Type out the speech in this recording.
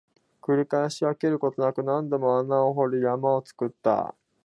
繰り返し、飽きることなく、何度も穴を掘り、山を作った